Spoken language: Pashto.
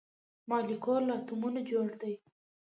مالیکول له اتومونو جوړ دی